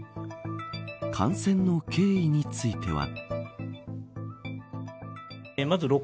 感染の経緯については。